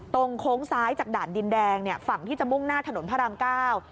ตรงโค้งซ้ายจากด่านดินแดงฝั่งที่จะมุ่งหน้าถนนพระราม๙